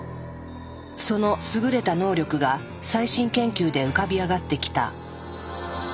その優れた能力が最新研究で浮かび上がってきた。